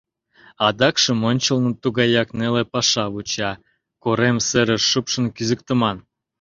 Адакшым ончылно тугаяк неле паша вуча: корем серыш шупшын кӱзыктыман.